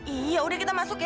iya udah kita masuk ya